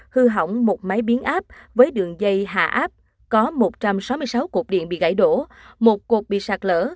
hư hỏng một máy biến áp với đường dây hạ áp có một trăm sáu mươi sáu cột điện bị gãy đổ một cột bị sạt lỡ